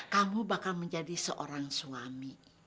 kamu bakal menjadi seorang suami